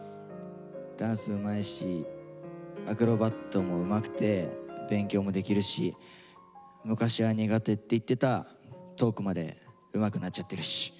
ダンスうまいしアクロバットもうまくて勉強もできるし昔は苦手って言ってたトークまでうまくなっちゃってるし。